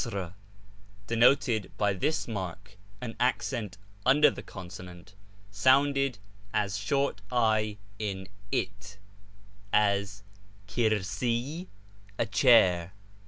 denoted by this mark _ under the consonant, sounded as short i in ' it,' as [ ^fkir»i, ' a chair.'